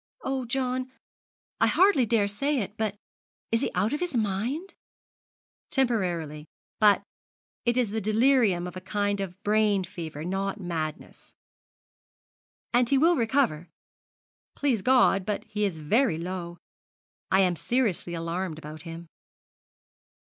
Oh, John, I hardly dare say it but is he out of his mind?' 'Temporarily but it is the delirium of a kind of brain fever, not madness.' 'And he will recover?' 'Please God; but he is very low. I am seriously alarmed about him.'